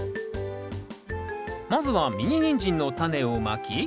まずはミニニンジンのタネをまき